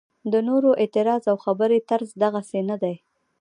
د نورو اعتراض او خبرې طرز دغسې نه دی.